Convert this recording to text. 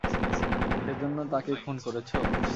সেজন্য তাকে খুন করেছ?